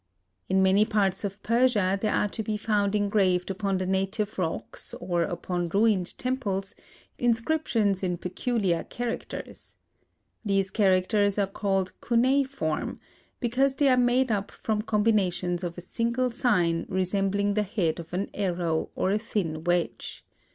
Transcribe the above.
In many parts of Persia, there are to be found engraved upon the native rocks, or upon ruined temples, inscriptions in peculiar characters. These characters are called cuneiform, because they are made up from combinations of a single sign resembling the head of an arrow or a thin wedge.